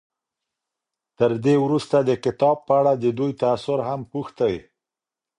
تر دې وروسته د کتاب په اړه د دوی تأثر هم پوښتئ.